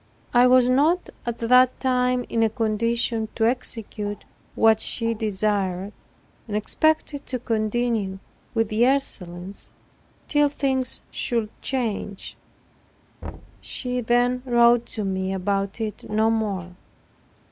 I was not at that time in a condition to execute what she desired and expected to continue with the Ursulines till things should change. She then wrote to me about it no more.